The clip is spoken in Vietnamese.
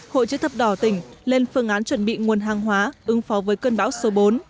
hội chữ thập đỏ tỉnh lên phương án chuẩn bị nguồn hàng hóa ứng phó với cơn bão số bốn